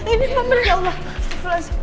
ini mbak mirna ya allah